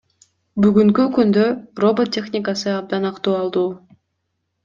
Бүгүнкү күндө робот техникасы абдан актуалдуу.